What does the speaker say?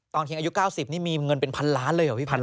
คิงอายุ๙๐นี่มีเงินเป็นพันล้านเลยเหรอพี่พันธ